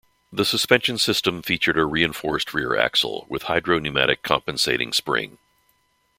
The suspension system featured a reinforced rear axle with hydro-pneumatic compensating spring.